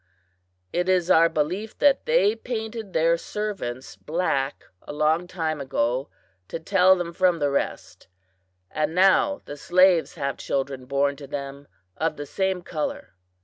It is our belief that they painted their servants black a long time ago, to tell them from the rest, and now the slaves have children born to them of the same color!